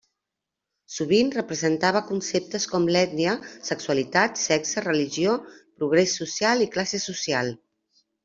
Sovint representava conceptes com l'ètnia, sexualitat, sexe, religió, progrés social i classe social.